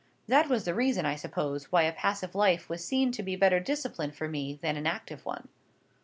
That was the reason, I suppose, why a passive life was seen to be better discipline for me than an active one.